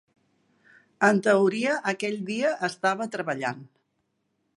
En teoria, aquell dia estava treballant.